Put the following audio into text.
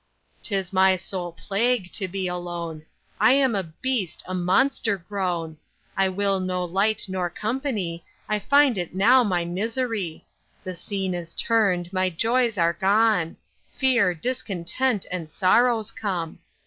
'Tis my sole plague to be alone, I am a beast, a monster grown, I will no light nor company, I find it now my misery. The scene is turn'd, my joys are gone, Fear, discontent, and sorrows come.